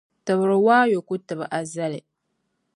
Tibiri waayo ku tibi azali.